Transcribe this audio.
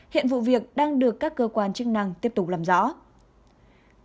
hiện vụ việc đang được các cơ quan chức năng tiếp tục làm rõ